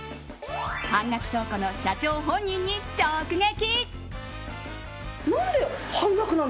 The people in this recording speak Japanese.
半額倉庫の社長本人に直撃。